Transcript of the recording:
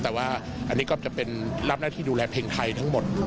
แต่ว่าอันนี้ก็จะเป็นรับหน้าที่ดูแลเพลงไทยทั้งหมด